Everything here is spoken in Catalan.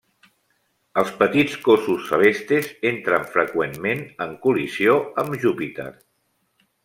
Els petits cossos celestes entren freqüentment en col·lisió amb Júpiter.